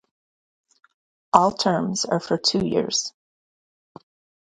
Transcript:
All terms are for two years.